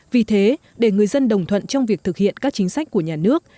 vì thế để người dân đồng thuận trong việc thực hiện các chính sách của nhà nước